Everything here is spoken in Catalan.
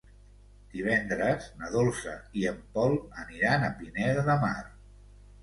Divendres na Dolça i en Pol aniran a Pineda de Mar.